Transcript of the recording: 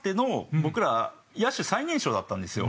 僕ら野手最年少だったんですよ。